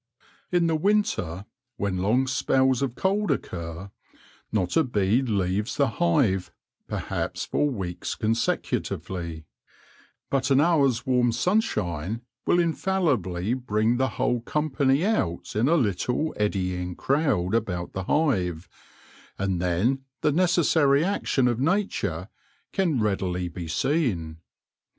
In the winter, when long spells of cold occur, not a bee leaves the hive perhaps for weeks consecutively ; but an hour's warm sunshine will infallibly bring the whole company out in a little eddying crowd about the hive, and then the neces sary action of nature can readily be seen.